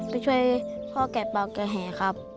ไปช่วยพ่อแกะเปล่าแก่แห่ครับ